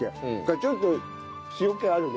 ちょっと塩気あるね。